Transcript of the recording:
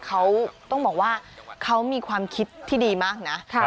เขาต้องบอกว่าเขามีความคิดที่ดีมากนะ